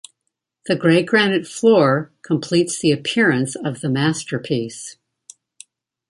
The grey granite floor completes the appearance of the masterpiece.